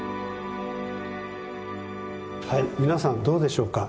はい皆さんどうでしょうか？